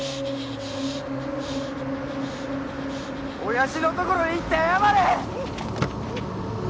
親父のところへ行って謝れ！